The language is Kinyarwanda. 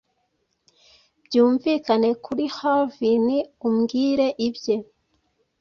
Byumvikane kuri Heavn, umbwire ibye,